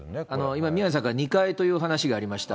今、宮根さんから２階というお話がありました。